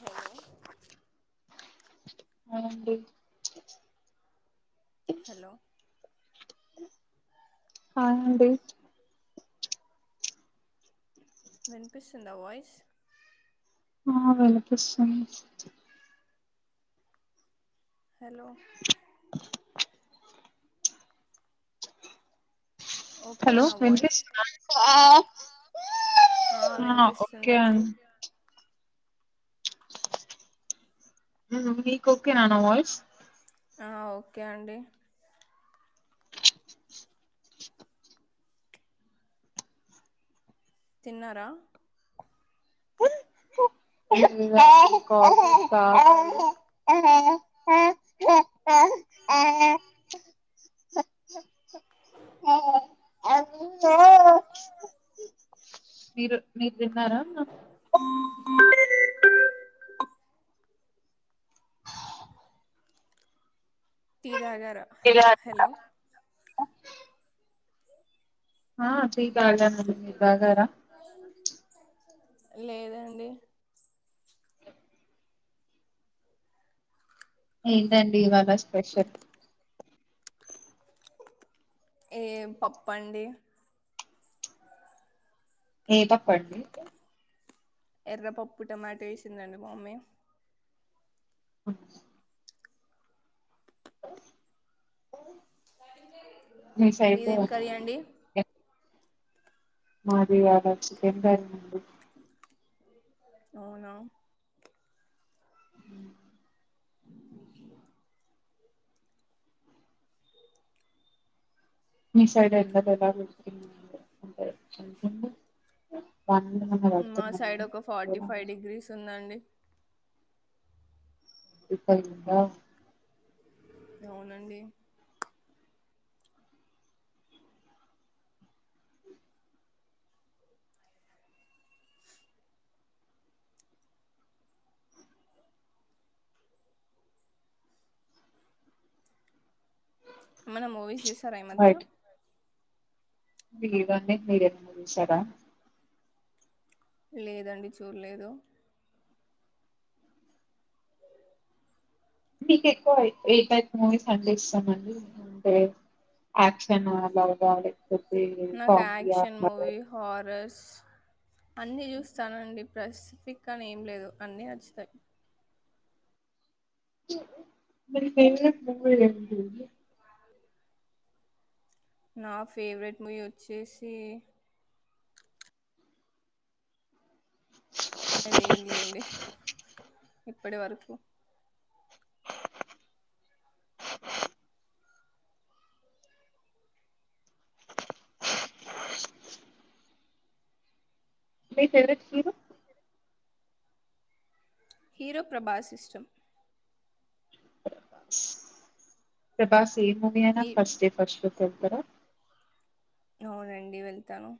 హే hi అండి hello hi అండి వినిపిస్తుందా వాయిస్ ఆ వినిపిస్తుంది. హలో ఓకేనా హలో నా వాయిస్ వెంకటేష్ ఆ ఓకే అం మీకు ఒకేనా నా వాయిస్ ఆ ఓకే అండి. తిన్నారా? [unintelligible] [unintelligible] మీరు మీరు తిన్నారా? టీ దాగార హలో ఆ టీ కొంచెం దాగారా లేదండి ఏంటండీ ఇవాళ స్పెషల్ ఏం పప్పు అండి ఏ పప్పు అండి ఎర్రపప్పు టమాటో చేసిందండి మమ్మీ అ మిస్ అయిపోయ మీదేం కర్రీ అండి మా ది వాలా చికెన్ అండి అవునా ఉ మీ సైడ్ ఎంత [unintelligible] లిటికి అండి మా సైడ్ ఒక ఫార్టీ ఫైవ్ డిగ్రీస్ ఉందండి ముప్పై ఉందా అవునండి మన మూవీస్ చూసారా ఈ మధ్య లేదండి మీరు ఏమన్నా చూసారా లేదండి చూడలేదు మీక్ ఏక్కో అయి ఏ టైప్ మూవీస్ అంటే ఇష్టం అండి సే యాక్షన్ ఆ అలా గాలి నాకు యాక్షన్ మూవీ హారస్ అన్నీ చూస్తానండి ప్రసిఫిక్ అని ఏం లేదు అన్నీ నచ్చుతయి మరి ఫేవరెట్ మూవీ ఏం లేదా నా ఫేవరెట్ మూవీ వచ్చేసి అది ఏం లేదండి ఇప్పటి వరకు మీ ఫేవరెట్ హీరో హీరో ప్రభాస్ ఇష్టం ప్రభాస్ ఏ మూవీ అయినా మీ ఫస్ట్ డే ఫస్ట్ షో కేల్ తరా అవునండి వెళ్తాను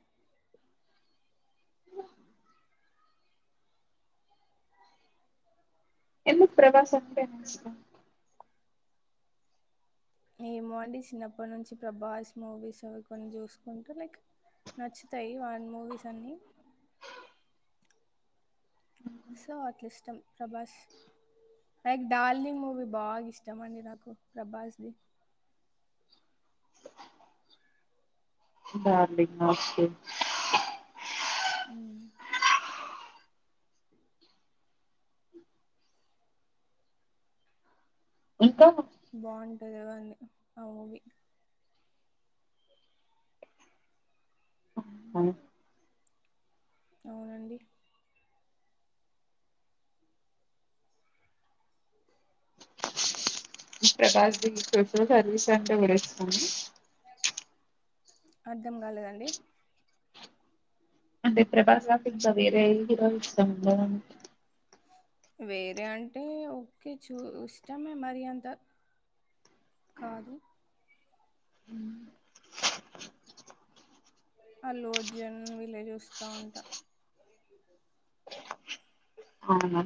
ఎందుకు ప్రభాస్ అంటేనే ఇష్టం ఏమో అండి చిన్నప్పటి నుంచి ప్రభాస్ మూవీస్, అవి కొన్ని చూసుకుంటూ లైక్ నచ్చుతాయి వాన్ మూవీస్ అన్నీ. సో అట్లా ఇష్టం ప్రభాస్ లైక్ డార్లింగ్ మూవీ బాగా ఇష్టం అండి నాకు ప్రభాస్ ది బార్లింగ్ ఓకే ఉమ్ ఇంకా బాండ్ కథవన్నీ అవువి అవు అవునండి ప్రకాష్ ది సోషల్ సర్వీస్ అంటే కూడా ఇస్తాము అర్థం కాలేదండి అంటే ప్రభాస్ కాక ఇంకా వేరే హీరో ఇష్టం ఉండదండి వేరే అంటే ఓకే చూ ఇష్టమే మరి అంత కాదు అల్లు అర్జున్ విలే చూస్తా ఉంటా అవునా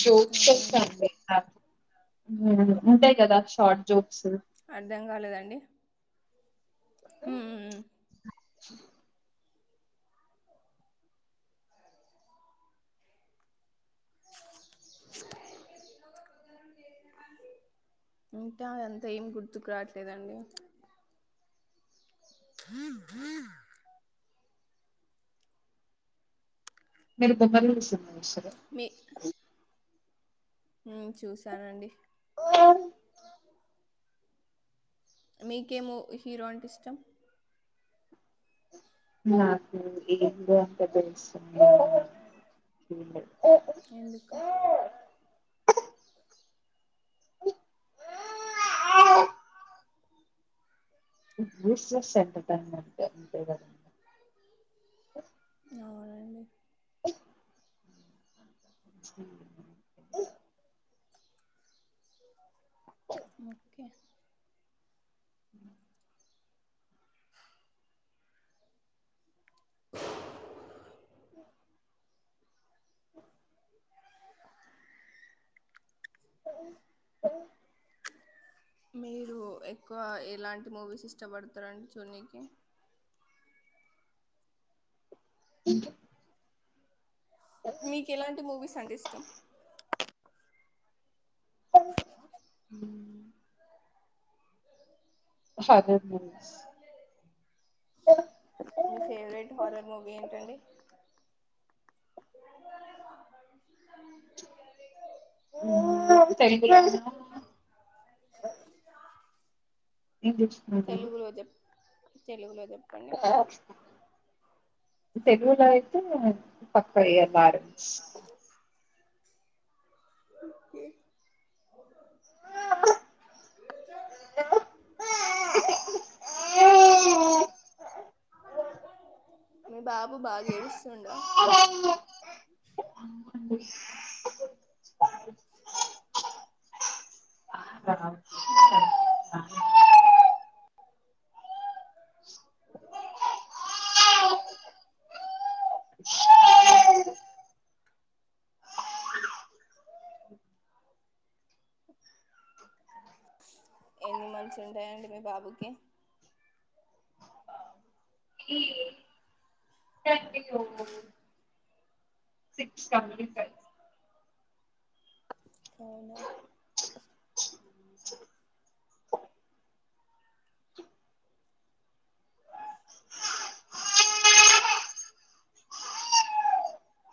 జోత్స చేశా అవునండి అండి ఉ ఉంటే కదా షట్ జోక్స్ డి హమ్ ఇంట ఆ అంత ఏం గుర్తుకు రావట్లేదండి హ మీరు బొమ్మరిల్లు సినిమా సరే ఉ చూసానండి మీకేమో హీరో అంటే ఇష్టం నాకు ఏందో అంత తెలుస్తుంది ఎందుకు విశంట అంతే మ అవునండి ఓకే మీరు ఎక్కువ ఎలాంటి మూవీస్ ఇష్టపడతారండి చూనికి మీకు ఎలాంటి మూవీస్ అంటే ఇష్టం హర్రర్ మూవీస్ మీ ఫేవరెట్ హారర్ మూవీ ఏంటండి తెలుగులోన ఏం తెచ్చకున్నాండి తెలుగులోకి, తెలుగులో అయితే ఐతే పక్కా ఇగ బార్, ఓకే ఆ ఎ బాబు బాగ ఏడుస్తుండా, అవును అండి, [unintelligible] ఎన్ని మంత్స్ ఉంటాయండి మీ బాబుకి, సెవెంటీ ఫైవ్, అవునా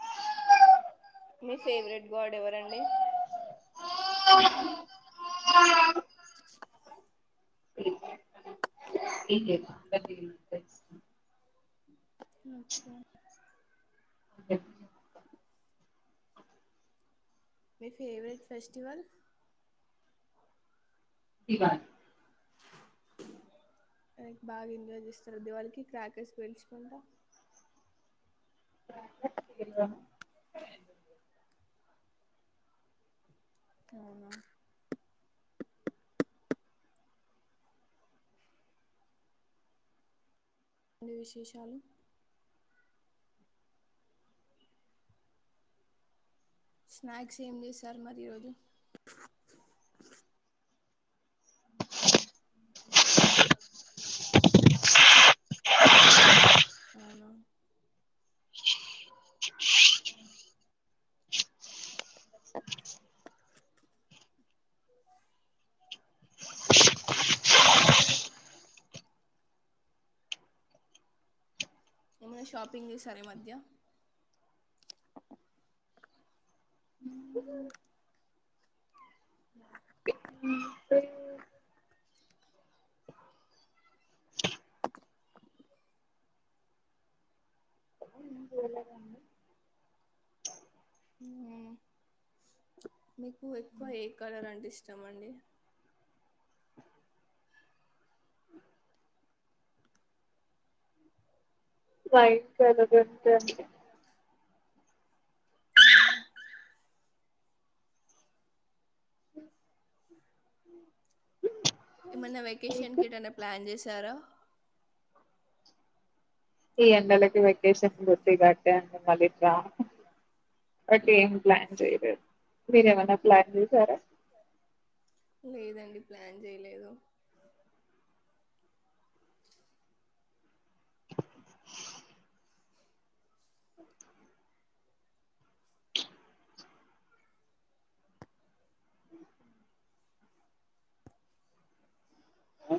అయి మీ ఫేవరెట్ గాడ్ ఎవరండి, మా [unintelligible] ఓకే మీ ఫేవరెట్ ఫెస్టివల్, దివాళి అ బాగా ఎంజాయ్ చేస్తారు దివాళికి క్రాకర్స్ పేల్చుకుంటా, పేల్వం [unintelligible] ఏంటి విశేషాలు, స్నాక్స్ ఏం చేశారు మరి ఈరోజు, [unintelligible] ఓకే ఏమన్నా షాపింగ్ చేసార ఈ మధ్య, ఏం చేయ లేదండి, మీకు ఎక్కువ ఏ కలర్ అంటే ఇష్టము అండి, వైట్ కలర్ అంటే అండి, అవునా ఏమన్నా వెకేషన్ మీకు కి యెట్టన ప్లాన్ చేసా, సార ఈ ఎండలకి వెకేషన్ పోతేగెట్ అండి మళ్లీ రాము, ఓకే ఏం ప్లాన్ చేయలేదు, మీర ఏమైన్నా ప్లాన్ చేసారా, లేదండి, ప్లాన్ చెయలేదు, ఆ